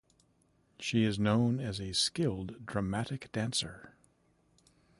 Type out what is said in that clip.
She is known as a skilled dramatic dancer.